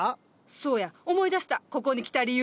そうや思い出したここに来た理由。